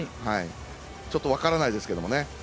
ちょっと分からないですけどもね。